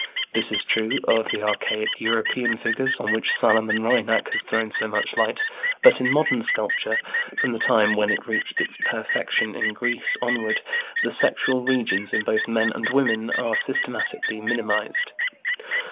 This is true of the archaic European figures on which Salomon Reinach has thrown so much light, but in modern sculpture, from the time when it reached its perfection in Greece onward, the sexual regions in both men and women are systematically minimized.